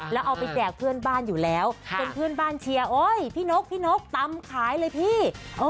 แล้วเอาไปแจกเพื่อนบ้านอยู่แล้วจนเพื่อนบ้านเชียร์โอ๊ยพี่นกพี่นกตำขายเลยพี่